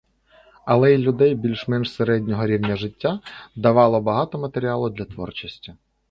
Але й для людей більш-менш середнього рівня життя давало багато матеріалу для творчости.